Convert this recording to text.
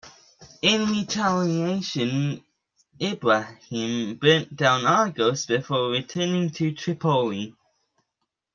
In retaliation, Ibrahim burnt down Argos before returning to Tripoli.